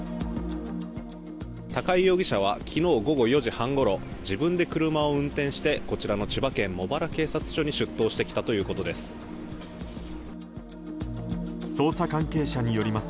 高井容疑者は昨日午後４時半ごろ自分で車を運転してこちらの千葉県茂原警察署に出頭したということです。